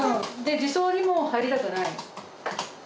児相にも入りたくない？